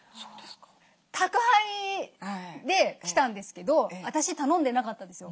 宅配で来たんですけど私頼んでなかったんですよ。